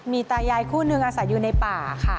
มีตายายคู่นึงอาศัยอยู่ในป่าค่ะ